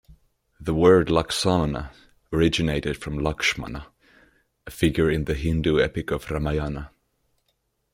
The word Laksamana originated from "Lakshmana", a figure in the Hindu epic of Ramayana.